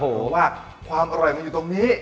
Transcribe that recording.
โอ้โหว่าความอร่อยมันอยู่ตรงนี้